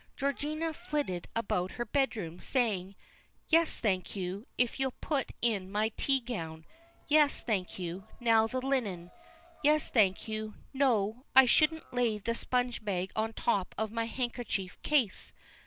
Georgina flitted about her bedroom, saying "Yes; thank you; if you'll put in my tea gown. Yes; thank you now the linen. Yes; thank you no, I shouldn't lay the sponge bag on the top of my handkerchief case.